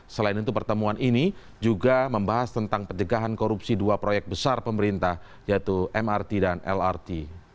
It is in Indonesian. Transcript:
selain itu pertemuan ini juga membahas tentang pencegahan korupsi dua proyek besar pemerintah yaitu mrt dan lrt